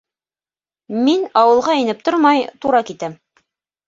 - Мин, ауылға инеп тормай, тура китәм.